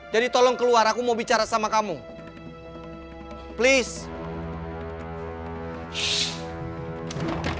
jadi tolong keluar aku mau bicara sama kamu please